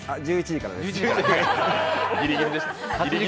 １１時からです。